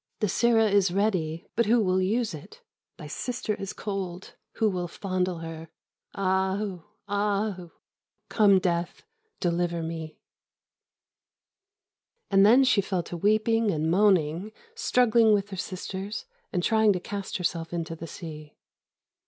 The sireh is ready, but who will use it? Thy Sister is cold, who will fondle her? Ah hu! ah hu! come death, deliver me.' "And then she fell to weeping and moaning, struggling with her sisters, and trying to cast herself into the sea.